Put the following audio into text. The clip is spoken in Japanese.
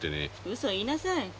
うそ言いなさい。